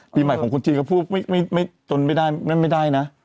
ปีใหม่ของคุณจีนก็พูดไม่จนไม่ได้นะ